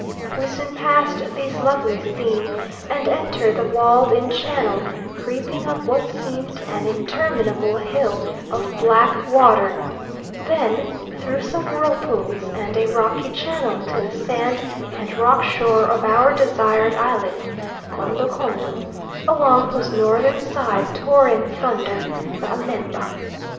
We soon passed this lovely scene and entered the walled in channel, creeping up what seemed an interminable hill of black water, then through some whirlpools and a rocky channel to the sand and rock shore of our desired island Kondo Kondo, along whose northern side tore in thunder the Alemba.